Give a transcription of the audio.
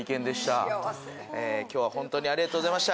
今日はホントにありがとうございました。